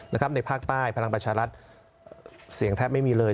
ในภาคใต้พลังประชารัฐเสียงแทบไม่มีเลย